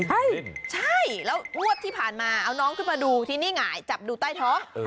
ใช่ใช่แล้วงวดที่ผ่านมาเอาน้องขึ้นมาดูที่นี่หงายจับดูใต้ท้อง